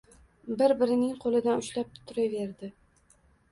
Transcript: bir-birining qo‘lidan ushlab turaverdi.